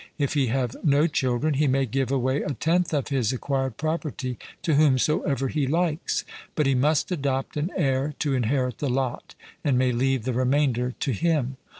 If he have no children, he may give away a tenth of his acquired property to whomsoever he likes; but he must adopt an heir to inherit the lot, and may leave the remainder to him.